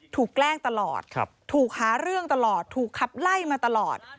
แกล้งตลอดถูกหาเรื่องตลอดถูกขับไล่มาตลอด